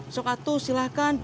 sok atus silahkan